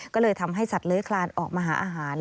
ก็เลยทำให้ศัตริย์ละเคราะห์ออกมาหาอาหาร